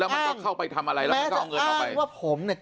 แล้วมันก็เข้าไปทำอะไรแล้วมันก็เอาเงินออกไปแม้จะอ้างว่าผมเนี้ย